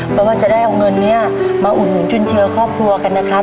เพราะว่าจะได้เอาเงินนี้มาอุดหนุนจุนเจือครอบครัวกันนะครับ